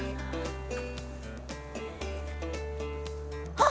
あっ！